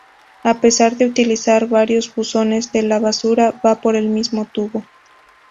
A pesar de utilizar varios buzones toda la basura va por el mismo tubo.